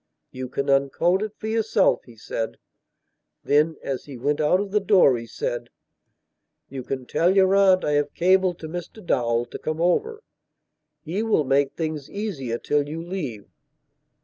"You can uncode it for yourself," he said. Then, as he went out of the door, he said: "You can tell your aunt I have cabled to Mr Dowell to come over. He will make things easier till you leave."